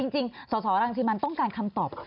จริงสตรังทิมันต้องการคำตอบ